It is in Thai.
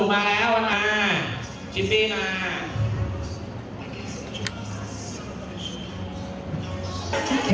กินกางเกงกีฬาครับผม